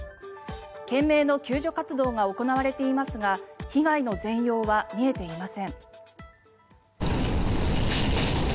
懸命の救助活動が行われていますが被害の全容は見えていません。